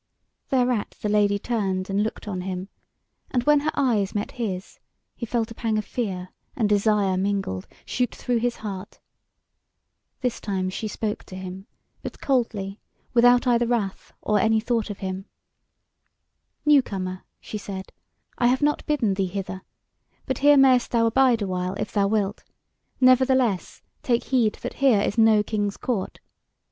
Thereat the Lady turned and looked on him, and when her eyes met his, he felt a pang of fear and desire mingled shoot through his heart. This time she spoke to him; but coldly, without either wrath or any thought of him: "Newcomer," she said, "I have not bidden thee hither; but here mayst thou abide a while if thou wilt; nevertheless, take heed that here is no King's Court.